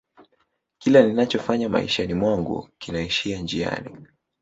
kila ninachofanya maishani mwangu kinaishia njiani